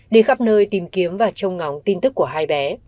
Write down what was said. đi khắp nơi tìm kiếm và trông ngóng tin tức của hai bé